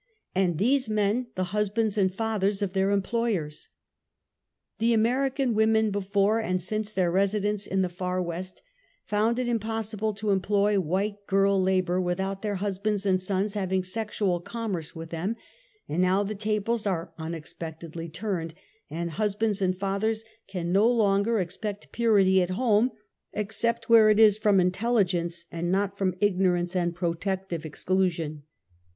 And these men, the husbands and fathers of their employers. . The American women before and since their resi dence in the far West, found it impossible to employ white girl labor w^ithout their husbands and sons having sexual commerce with them, and now the tables are unexpectedly turned, and husbands and fathers can no longer expect purity at home, except wdiere it is from intelligence and not from ignorance and pro tective exclusion.